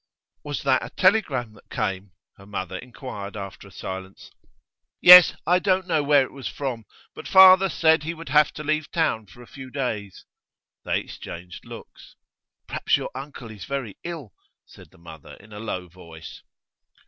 'Was that a telegram that came?' her mother inquired after a silence. 'Yes. I don't know where it was from. But father said he would have to leave town for a few days.' They exchanged looks. 'Perhaps your uncle is very ill,' said the mother in a low voice.